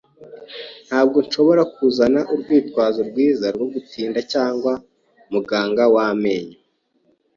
Ntabwo nshobora kuzana urwitwazo rwiza rwo gutinda kwa muganga w amenyo.